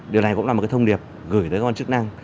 điều này cũng là một cái thông điệp gửi tới con chức năng